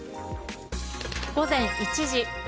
午前１時。